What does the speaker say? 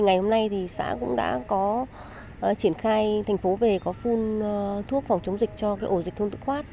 ngày hôm nay thì xã cũng đã có triển khai thành phố về có phun thuốc phòng chống dịch cho ổ dịch thôn tự phát